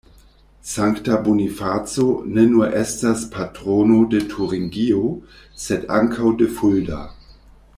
Sankta Bonifaco ne nur estas patrono de Turingio sed ankaŭ de Fulda.